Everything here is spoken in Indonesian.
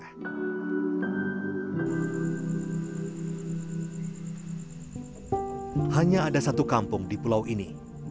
hanya ada satu kampung di pulau ini